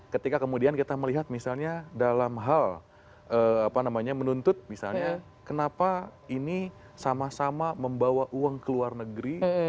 ketika kemudian kita melihat misalnya dalam hal menuntut misalnya kenapa ini sama sama membawa uang ke luar negeri